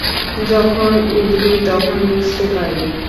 যখন উঠবি তখন বুঝতে পারবি।